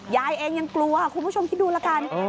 ยายเองยังกลัวคุณผู้ชมคิดดูละกัน